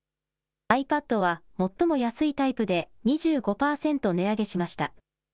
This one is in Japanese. ｉＰａｄは最も安いタイプで２５％値上げしました。